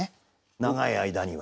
長い間には。